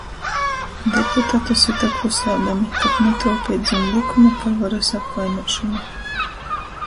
Deputatu syta klusādami, kab natruopeit zam lykuma par varys apvainuošonu...